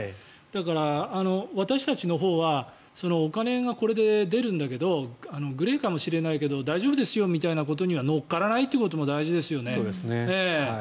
だから、私たちのほうはお金がこれで出るんだけどグレーかもしれないけど大丈夫ですよということには乗っからないってことも大事ですよね。